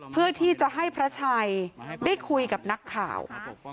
เพื่อที่จะให้พระชัยได้คุยกับนักข่าว